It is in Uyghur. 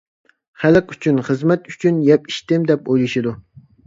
خەلق ئۈچۈن خىزمەت ئۈچۈن يەپ ئىچتىم دەپ ئويلىشىدۇ.